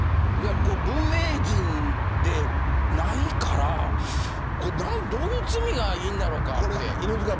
文明人じゃないからどういう罪がいいんだろうかって。